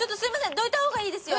どいたほうがいいですよ